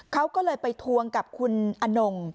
เขาก็เลยไปทวงกับคุณอนง